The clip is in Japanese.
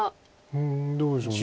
うんどうでしょう。